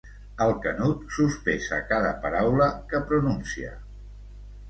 El Canut sospesa cada paraula que pronuncia.